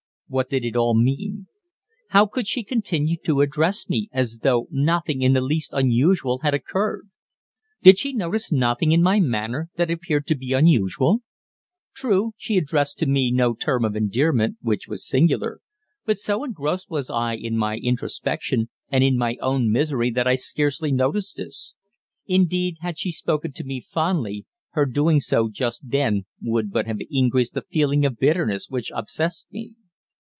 What did it all mean? How could she continue to address me as though nothing in the least unusual had occurred? Did she notice nothing in my manner that appeared to be unusual? True, she addressed to me no term of endearment, which was singular; but so engrossed was I in my introspection and in my own misery that I scarcely noticed this. Indeed, had she spoken to me fondly, her doing so just then would but have increased the feeling of bitterness which obsessed me.